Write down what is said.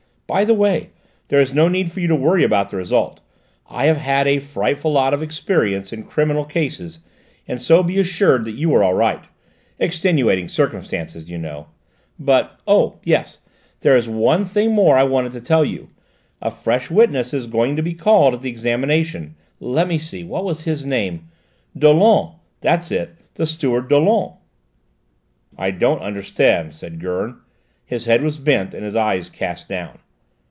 By the way, there is no need for you to worry about the result; I have had a frightful lot of experience in criminal cases, and so be assured you are all right: extenuating circumstances, you know. But oh, yes, there is one thing more I wanted to tell you. A fresh witness is going to be called at the examination; let me see, what's his name? Dollon: that's it: the steward, Dollon." "I don't understand," said Gurn; his head was bent and his eyes cast down.